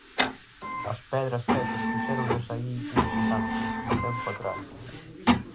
As pedras esas puxéronas aí uns xigantes, tempo atrás.